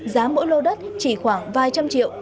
giá mỗi lô đất chỉ khoảng vài trăm triệu